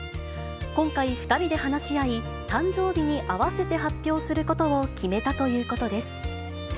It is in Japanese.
今回、２人で話し合い、誕生日に合わせて発表することを決めたということです。